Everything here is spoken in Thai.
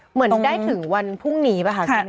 เหมือนได้ถึงวันพรุ่งนี้ป่ะคะ